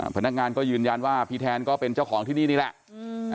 พนักงานก็ยืนยันว่าพี่แทนก็เป็นเจ้าของที่นี่นี่แหละ